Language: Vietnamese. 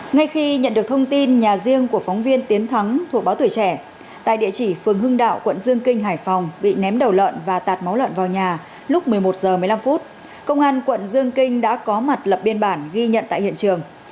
ngay khi nhận được thông tin nhà riêng của phóng viên tiến thắng thuộc báo tuổi trẻ tại địa chỉ phường hưng đạo quận dương kinh hải phòng bị ném đầu lợn và tạt máu lợn vào nhà lúc một mươi một h một mươi năm công an quận dương kinh đã có mặt lập biên bản ghi nhận tại hiện trường